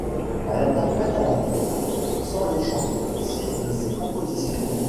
Elle interprète à la guitare, sans les chanter, six de ses compositions.